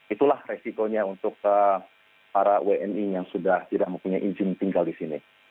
itulah resikonya untuk para wni yang sudah tidak mempunyai izin tinggal di sini